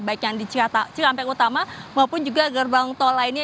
baik yang di cikampek utama maupun juga gerbang tol lainnya